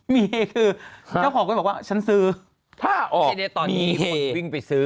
มีเฮคือเจ้าของเขาจะบอกว่าฉันซื้อ